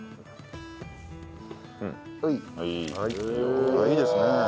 ああいいですね。